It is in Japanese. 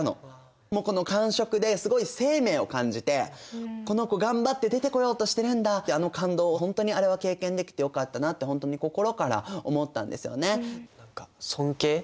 もうこの感触ですごい生命を感じてこの子頑張って出てこようとしてるんだってあの感動を本当にあれは経験できてよかったなってほんとに心から思ったんですよね。